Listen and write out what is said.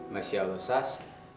masya allah sas